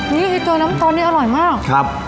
นี่เจอน้ำตอนนี้อร่อยมาก